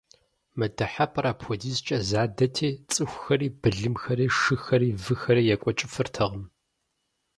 Мы дыхьэпӏэр апхуэдизкӏэ задэти, цӏыхухэри, былымхэри, шыхэри, выхэри екӏуэкӏыфыртэкъым.